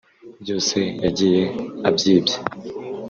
byose yagiye abyibye